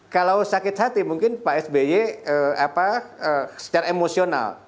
kalau sakit hati mungkin pak sby secara emosional